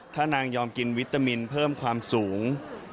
ถ้านางยอมกินวิตามินเพิ่มความสูง